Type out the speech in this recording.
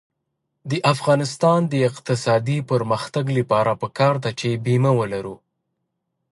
د افغانستان د اقتصادي پرمختګ لپاره پکار ده چې بیمه ولرو.